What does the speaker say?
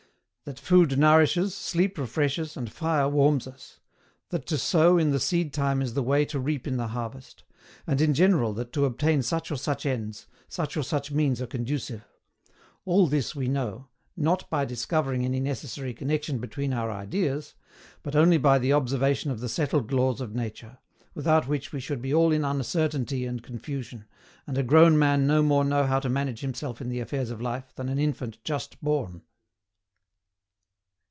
That food nourishes, sleep refreshes, and fire warms us; that to sow in the seed time is the way to reap in the harvest; and in general that to obtain such or such ends, such or such means are conducive all this we know, NOT BY DISCOVERING ANY NECESSARY CONNEXION BETWEEN OUR IDEAS, but only by the observation of the settled laws of nature, without which we should be all in uncertainty and confusion, and a grown man no more know how to manage himself in the affairs of life than an infant just born.